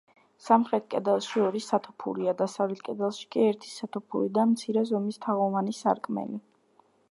სამხრეთ კედელში ორი სათოფურია, დასავლეთ კედელში კი, ერთი სათოფური და მცირე ზომის თაღოვანი სარკმელი.